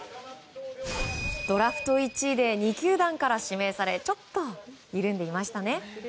ドラフト１位で２球団から指名されちょっと緩んでいましたね。